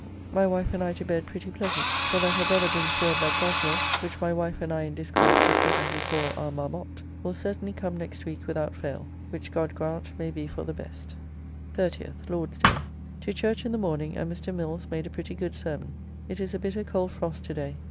My wife and I to bed pretty pleasant, for that her brother brings word that Gosnell, which my wife and I in discourse do pleasantly call our Marmotte, will certainly come next week without fail, which God grant may be for the best. 30th (Lord's day). To church in the morning, and Mr. Mills made a pretty good sermon. It is a bitter cold frost to day.